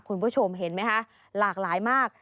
คุณผู้ชมเห็นไหมคะหลากหลายมาก